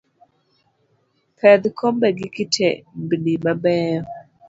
Pedh kombe gi kitembni mabeyo.